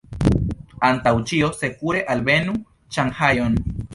Antaŭ ĉio, sekure alvenu Ŝanhajon.